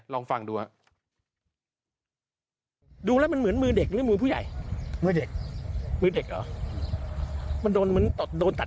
ลองฟังดูนะ